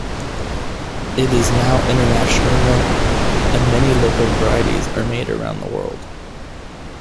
It is now internationally known, and many local varieties are made around the world.